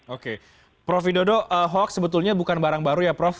oke prof widodo hoax sebetulnya bukan barang baru ya prof